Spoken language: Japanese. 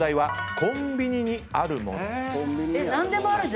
コンビニにあるもの。